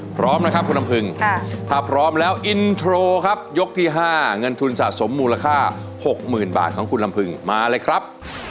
พร้อมนะครับคุณลำพึงถ้าพร้อมแล้วอินโทรครับยกที่๕เงินทุนสะสมมูลค่า๖๐๐๐บาทของคุณลำพึงมาเลยครับ